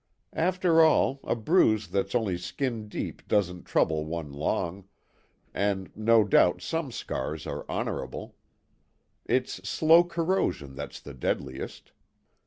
"After all, a bruise that's only skin deep doesn't trouble one long, and no doubt some scars are honourable. It's slow corrosion that's the deadliest."